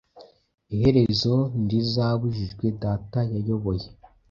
Iherezo ntirizabujijwe Data yayoboye